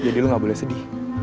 jadi aku nggak boleh bisa di